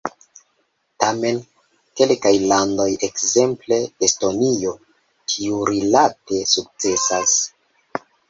Tamen kelkaj landoj, ekzemple Estonio, tiurilate sukcesas.